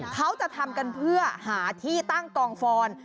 เขาจะทำกันเพื่อหาที่ตั้งกองฟอน